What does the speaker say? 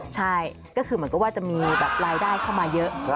ใช่ก็คือเหมือนกับว่าจะมีแบบรายได้เข้ามาเยอะ